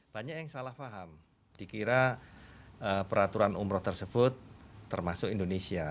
banyak yang salah paham dikira peraturan umroh tersebut termasuk indonesia